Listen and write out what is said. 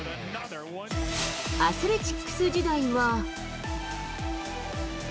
アスレチックス時代は。